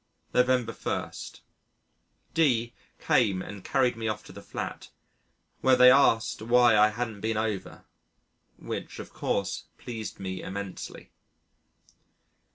November 1. D came and carried me off to the flat, where they asked why I hadn't been over which, of course, pleased me immensely.